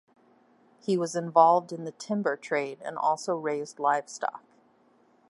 He was involved in the timber trade and also raised livestock.